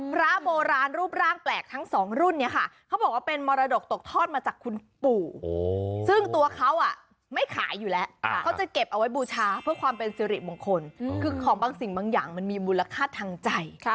พระโบราณรูปร่างแปลกทั้งสองรุ่นเนี่ยค่ะเขาบอกว่าเป็นมรดกตกทอดมาจากคุณปู่ซึ่งตัวเขาไม่ขายอยู่แล้วเขาจะเก็บเอาไว้บูชาเพื่อความเป็นสิริมงคลคือของบางสิ่งบางอย่างมันมีมูลค่าทางใจ